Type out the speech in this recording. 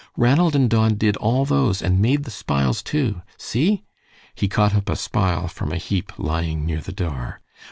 "Ranald and Don did all those, and made the spiles, too. See!" He caught up a spile from a heap lying near the door.